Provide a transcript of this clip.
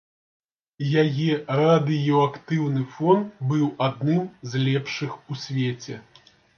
Яе радыеактыўны фон быў адным з лепшых у свеце.